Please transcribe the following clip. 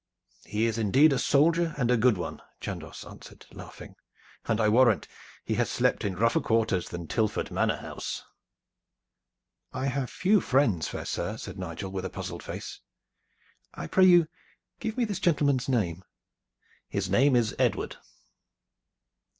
"He is indeed a soldier and a good one," Chandos answered, laughing, "and I warrant he has slept in rougher quarters than Tilford Manor house." "I have few friends, fair sir," said Nigel, with a puzzled face. "I pray you give me this gentleman's name." "His name is Edward."